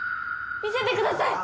見せてください！